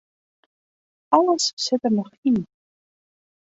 Alles sit der noch yn.